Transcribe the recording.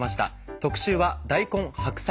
特集は「大根・白菜」。